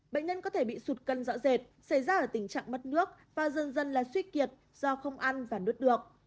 bệnh nhân có thể bị sụt cân dọa dệt xảy ra ở tình trạng mất nước và dần dần là suy kiệt do không ăn và nuốt được